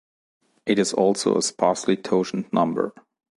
It is also a sparsely totient number.